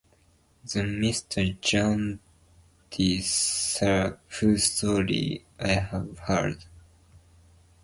The Mr. Jarndyce, sir, whose story I have heard?